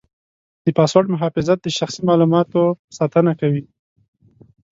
د پاسورډ محافظت د شخصي معلوماتو ساتنه کوي.